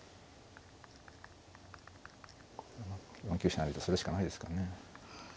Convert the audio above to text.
４九飛車成とするしかないですかね。